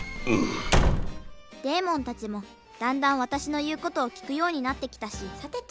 デーモンたちもだんだん私の言うことを聞くようになってきたしさてと。